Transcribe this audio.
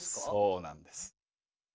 そうなんです。